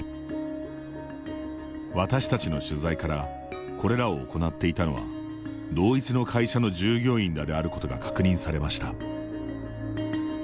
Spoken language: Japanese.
私たちの取材からこれらを行っていたのは同一の会社の従業員らであることが確認されました。